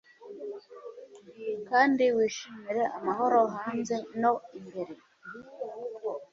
kandi wishimire amahoro hanze no imbere